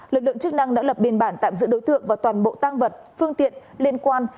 lực lượng chức năng đã lập biên bản tạm giữ đối tượng và toàn bộ tăng vật phương tiện liên quan